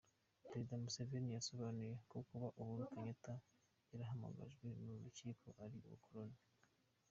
Perezida Museveni yasobanuye ko kuba uhuru Kenyatta yarahamagajwe n’uru rukiko ari ubukoroni.